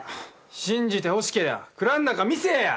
「信じてほしけりゃ蔵ん中見せえや！」